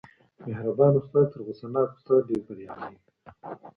مهربان استاد تر غوسه ناک استاد ډېر بریالی وي.